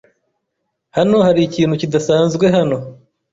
Hano hari ikintu kidasanzwe hano.